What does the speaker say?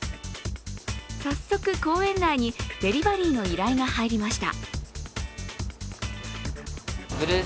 早速、公園内にデリバリーの依頼が入りました。